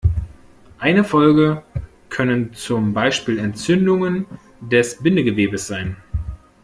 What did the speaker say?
Eine Folge können zum Beispiel Entzündungen des Bindegewebes sein.